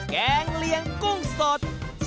แกงเลียงกุ้งสด